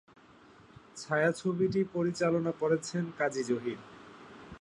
ছায়াছবিটি পরিচালনা করেছেন কাজী জহির।